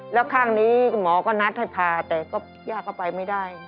แล้วข้างนี้หมอก็นัดให้ผ่าแต่ก็ยากเข้าไปไม่ได้